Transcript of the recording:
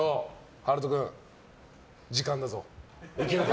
陽斗君、時間だぞ。